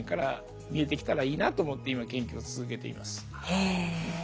へえ。